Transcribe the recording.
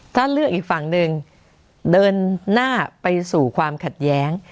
ถ้าเลือกอีกฝั่งหนึ่งเดินหน้าไปสู่ความขัดแย้ง